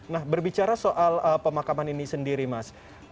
nah berbicara soal pemakaman ini sendiri mas